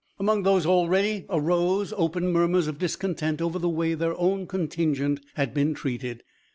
Among these already arose open murmurs of discontent over the way their own contingent had been treated.